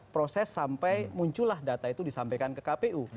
proses sampai muncullah data itu disampaikan ke kpu